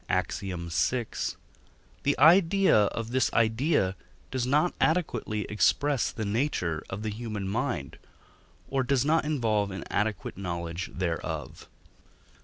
Ax. vi) the idea of this idea does not adequately express the nature of the human mind, or does not involve an adequate knowledge thereof.